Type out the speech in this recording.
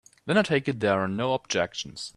Then I take it there are no objections.